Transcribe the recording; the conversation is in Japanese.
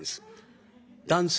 男性。